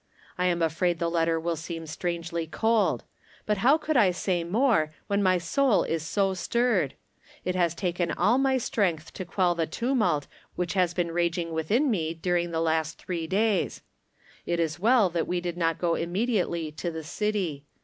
I am afraid the letter will seem strangely cold ; but how could I say more, when my soul is so stirred ? It has taken all my strength to quell the tumult which has been raging within me during the last three days. It is well that we did not go immediately to the city.